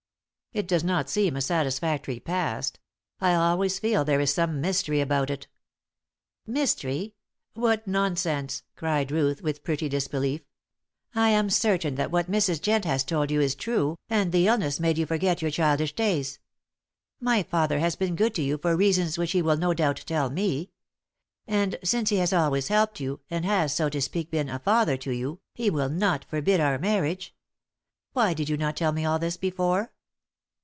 "It does not seem a satisfactory past. I always feel there is some mystery about it." "Mystery! What nonsense!" cried Ruth, with pretty disbelief. "I am certain that what Mrs. Jent has told you is true, and the illness made you forget your childish days. My father has been good to you for reasons which he will no doubt tell me. And, since he has always helped you, and has, so to speak, been a father to you, he will not forbid our marriage. Why did you not tell me all this before?"